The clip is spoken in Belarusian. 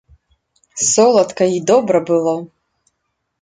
Соладка й добра было.